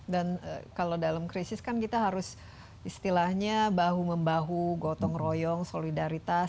dan kalau dalam krisis kan kita harus istilahnya bahu membahu gotong royong solidaritas